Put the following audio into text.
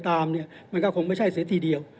ตามแล้วก็มันก็ไม่ใช่เศรษฐีเดียว